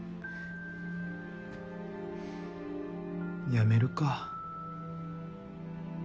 ・やめるか。